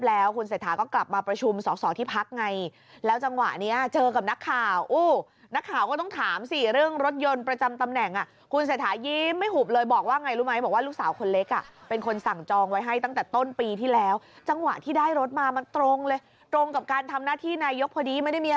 แล้วคุณเศรษฐาก็กลับมาประชุมสอสอที่พักไงแล้วจังหวะนี้เจอกับนักข่าวอู้นักข่าวก็ต้องถามสิเรื่องรถยนต์ประจำตำแหน่งอ่ะคุณเศรษฐายิ้มไม่หุบเลยบอกว่าไงรู้ไหมบอกว่าลูกสาวคนเล็กอ่ะเป็นคนสั่งจองไว้ให้ตั้งแต่ต้นปีที่แล้วจังหวะที่ได้รถมามันตรงเลยตรงกับการทำหน้าที่นายกพอดีไม่ได้มี